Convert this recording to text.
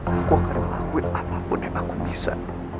aku akan ngelakuin apapun yang aku bisa